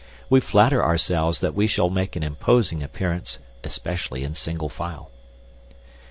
We flatter ourselves that we shall make an imposing appearance, especially in single file...."